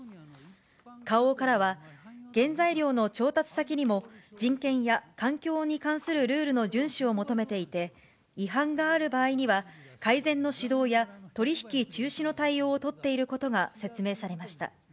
花王からは、原材料の調達先にも、人権や環境に関するルールの順守を求めていて、違反がある場合には、改善の指導や取り引き中止の対応を取っていることが説明されました。